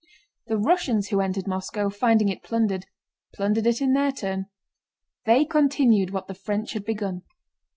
The Russians who entered Moscow, finding it plundered, plundered it in their turn. They continued what the French had begun.